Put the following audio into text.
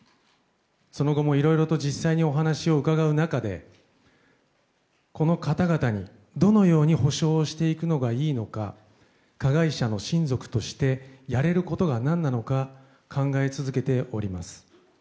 その後もいろいろと実際にお話を伺う中でこの方々にどのように補償をしていくのがいいのか加害者の親族としてやれることが何なのか考え続けております。